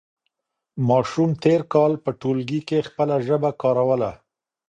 ماشوم تېر کال په ټولګي کې خپله ژبه کاروله.